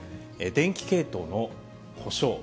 電気系統の故障。